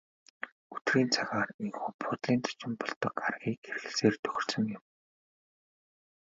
Өдрийн цагаар ийнхүү буудлын зочин болдог аргыг хэрэглэхээр тохирсон юм.